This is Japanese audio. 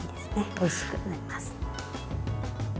おいしくなります。